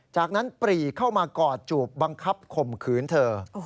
จากนั้นปรีเข้ามากอดจูบบังคับข่มขืนเธอ